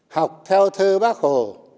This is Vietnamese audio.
học theo thơ bác hồ